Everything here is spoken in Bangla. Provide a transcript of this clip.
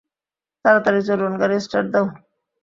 তাড়াতাড়ি চলুন -গাড়ী স্টার্ট দাও।